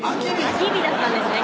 空き日だったんですね